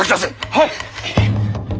はい！